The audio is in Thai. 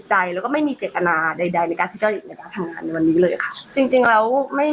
ให้มายถึงทุกคนที่ผ่านมา